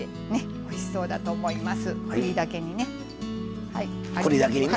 おいしそうだと思います。